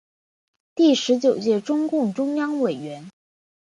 第十九届中共中央委员。